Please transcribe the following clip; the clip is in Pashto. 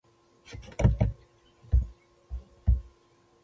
ټول افغانان په مینه او دوستۍ کې هر ډول سرښندنې ته چمتو دي.